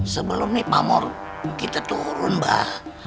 sebelum ini pamor kita turun abah